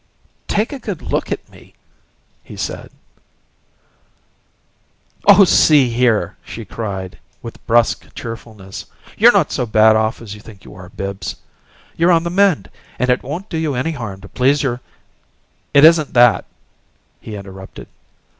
"Take a good look at me," he said. "Oh, see here!" she cried, with brusque cheerfulness. "You're not so bad off as you think you are, Bibbs. You're on the mend; and it won't do you any harm to please your " "It isn't that," he interrupted.